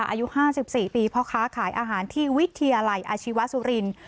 อายุห้าสิบสี่ปีเพราะข้าขายอาหารที่วิทยาลัยอชิวาสุรินทร์